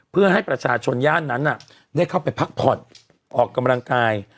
เพื่อให้ประชาชนย่านนั้นได้เข้าไปพักผ่อนออกกำลังกาย